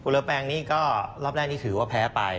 เลอแปงนี่ก็รอบแรกนี่ถือว่าแพ้ไป